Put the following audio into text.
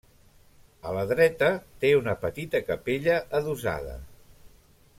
A la dreta té una petita capella adossada.